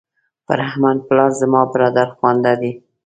فرهمند پلار زما برادرخوانده دی.